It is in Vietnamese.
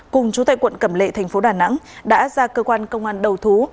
cùng chú tại quận cẩm lệ thành phố đà nẵng đã ra cơ quan công an đầu thú